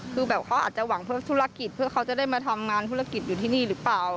คือแบบเขาอาจจะหวังเพื่อธุรกิจเพื่อเขาจะได้มาทำงานธุรกิจอยู่ที่นี่หรือเปล่า